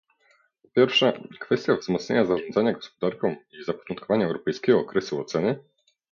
Po pierwsze, kwestia wzmocnienia zarządzania gospodarką i zapoczątkowania europejskiego okresu oceny